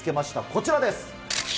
こちらです。